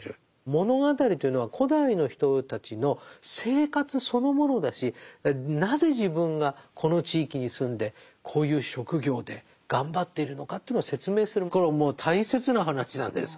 物語というのは古代の人たちの生活そのものだしなぜ自分がこの地域に住んでこういう職業で頑張っているのかというのを説明するこれももう大切な話なんです